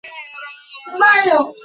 School থেকে অবসর পেলে।